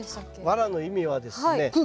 ワラの意味はですね。